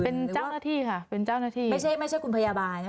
เป็นเจ้าหน้าที่ค่ะเป็นเจ้าหน้าที่ไม่ใช่ไม่ใช่คุณพยาบาลนะคะ